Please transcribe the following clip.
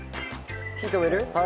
火止める？